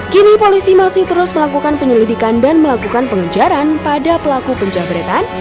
kini polisi masih terus melakukan penyelidikan dan melakukan pengejaran pada pelaku penjabretan